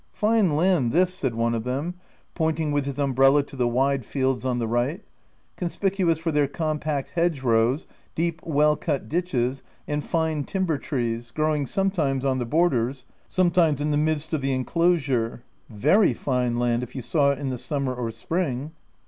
" Fine land this/' said one of them, pointing 306 THE TENANT with his umbrella to the wide fields on the right, conspicuous for their compact hedge rows, deep, well cut ditches, and fine timber trees, growing sometimes on the borders, some times in the midst of the enclosure; — "very fine land, if you saw it in the summer or spring."